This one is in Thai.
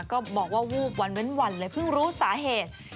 ก็บอกว่าวูบวันเว้นวันเลยเพิ่งรู้สาเหตุ